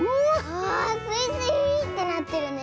あスイスイーってなってるね。